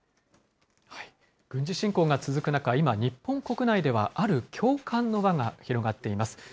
軍事侵攻が続く中、今、日本国内ではある共感の輪が広がっています。